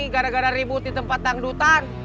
gara gara ribut di tempat dangdutan